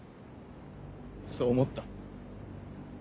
そう思った。